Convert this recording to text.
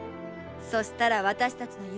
そしたら私たちの夢